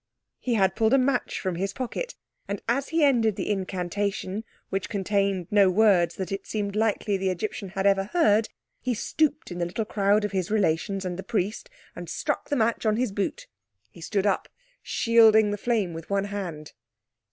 He had pulled a match from his pocket, and as he ended the incantation which contained no words that it seemed likely the Egyptian had ever heard he stooped in the little crowd of his relations and the priest and struck the match on his boot. He stood up, shielding the flame with one hand.